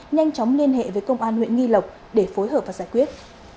nhanh chóng liên hệ với công an huyện nghi lộc để phối hợp và giải quyết